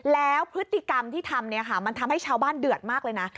แล้วพฤติกรรมที่ทำเนี่ยค่ะมันทำให้ชาวบ้านเดือดมากเลยนะ